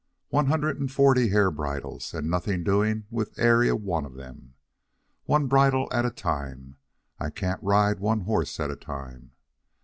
One hundred and forty hair bridles, and nothing doing with ary one of them. One bridle at a time! I can't ride one horse at a time.